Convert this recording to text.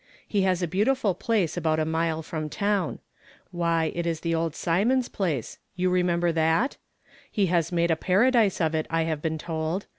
He has a beautiful place about a mile from town. Why, it is the old Symonds place ; you remember that ? He has made a paradise of it, I have been told.